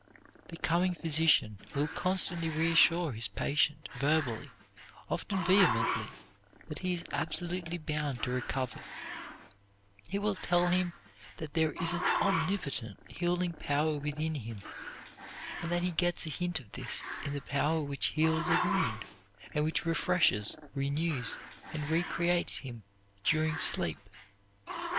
The coming physician will constantly reassure his patient verbally, often vehemently, that he is absolutely bound to recover; he will tell him that there is an omnipotent healing power within him, and that he gets a hint of this in the power which heals a wound, and which refreshes, renews, and recreates him during sleep.